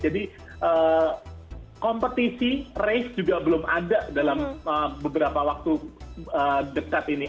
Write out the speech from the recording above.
jadi kompetisi race juga belum ada dalam beberapa waktu dekat ini